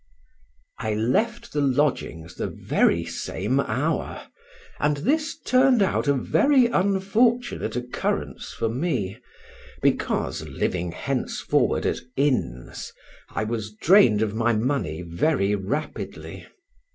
I left the lodgings the very same hour, and this turned out a very unfortunate occurrence for me, because, living henceforward at inns, I was drained of my money very rapidly.